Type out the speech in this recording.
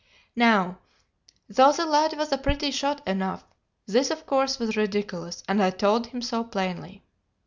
Now, though the lad was a pretty shot enough, this of course was ridiculous, and I told him so plainly.